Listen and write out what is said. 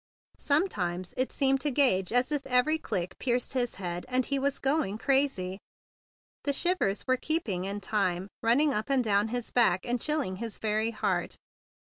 Sometimes it seemed to Gage as if every click pierced his head and he was going crazy. The shivers were keeping in time running up and down his back, and chilling his very heart.